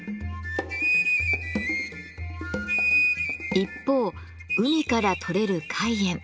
一方海から採れる海塩。